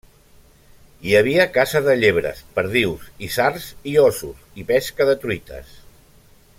Hi havia caça de llebres, perdius, isards i óssos, i pesca de truites.